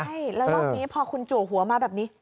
ใช่แล้วรอบนี้พอคุณจัวหัวมาแบบนี้